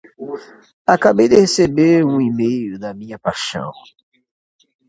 Acabei de receber um e-mail da minha paixão!